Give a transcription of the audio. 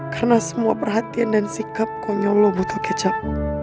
karena semua perhatian dan sikap konyol lo botol kecap